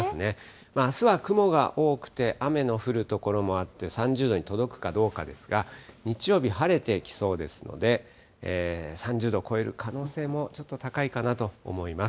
あすは雲が多くて、雨の降る所もあって、３０度に届くかどうかですが、日曜日、晴れてきそうですので、３０度超える可能性もちょっと高いかなと思います。